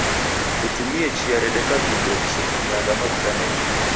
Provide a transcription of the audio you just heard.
Kutumie chia redeka vindo risetumiagha mavuda mengi.